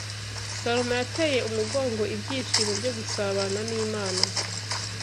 Salomo yateye umugongo ibyishimo byo gusabana n’Imana